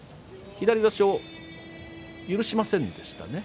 左差しを許しませんでしたね。